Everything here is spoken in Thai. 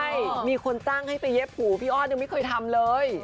ใช่มีคนจ้างให้ไปเย็บหูพี่อ้อนยังไม่เคยทำเลย